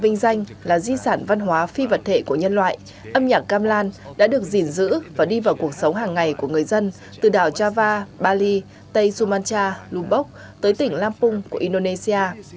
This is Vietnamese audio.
vinh danh là di sản văn hóa phi vật thể của nhân loại âm nhạc gamlan đã được gìn giữ và đi vào cuộc sống hàng ngày của người dân từ đảo java bali tây dumacha lubok tới tỉnh lampung của indonesia